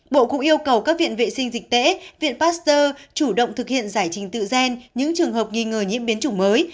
bộ cũng yêu cầu các viện vệ sinh dịch tễ viện pasteur chủ động thực hiện giải trình tự gen những trường hợp nghi ngờ nhiễm biến chủng mới